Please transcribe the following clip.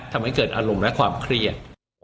ทำให้เกิดอารมณ์และความเครียด